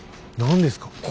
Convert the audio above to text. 何ですか？